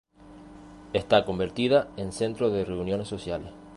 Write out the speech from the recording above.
Está convertida en centro de reuniones sociales.